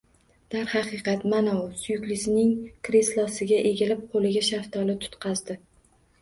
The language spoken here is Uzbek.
Darhaqiqat, mana, u suyuklisining kreslosiga egilib, qo`liga shaftoli tutqazdi